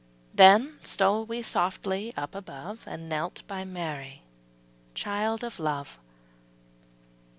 '' Then stole we softly up above And knelt by Mary, child of love.